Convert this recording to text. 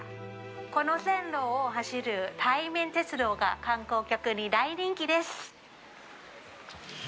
この線路を走る泰緬鉄道が観光客に大人気です。